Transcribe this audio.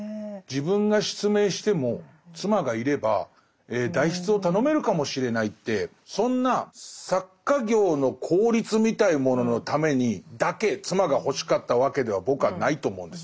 自分が失明しても妻がいれば代筆を頼めるかもしれないってそんな作家業の効率みたいなもののためにだけ妻が欲しかったわけでは僕はないと思うんです。